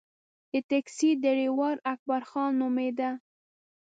د ټیکسي ډریور اکبرخان نومېده.